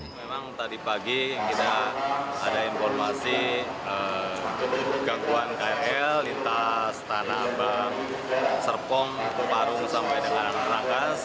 memang tadi pagi kita ada informasi gangguan krl lintas tanah abang serpong parung sampai dengan rangkas